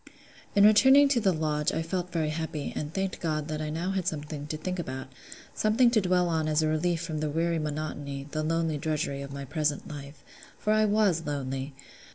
In returning to the Lodge I felt very happy, and thanked God that I had now something to think about; something to dwell on as a relief from the weary monotony, the lonely drudgery, of my present life: for I was lonely.